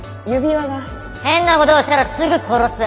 変なことをしたらすぐ殺す。